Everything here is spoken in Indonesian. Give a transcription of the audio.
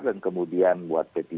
dan kemudian buat p tiga